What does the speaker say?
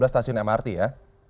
tiga belas stasiun mrt ya